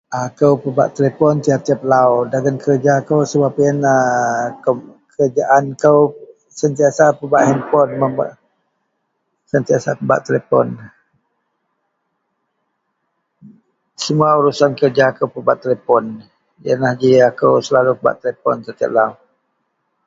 Aku pebak telepon tiap-tiap lau, dagen kerja sebab yian taja tan ako sentiasa pebak telepon handphone, semua urusan kerja ko pebak telepon. Yianlah ji aku selalu pebak telepon tiap-tiap lau